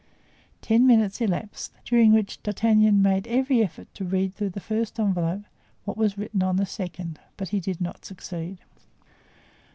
Ten minutes elapsed, during which D'Artagnan made every effort to read through the first envelope what was written on the second. But he did not succeed.